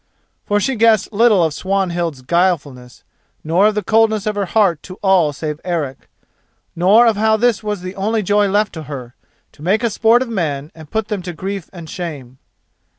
For she guessed little of Swanhild's guilefulness, nor of the coldness of her heart to all save Eric; nor of how this was the only joy left to her: to make a sport of men and put them to grief and shame.